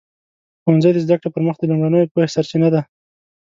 ښوونځی د زده کړې پر مخ د لومړنیو پوهې سرچینه ده.